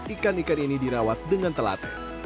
ikan ikan ini dirawat dengan telat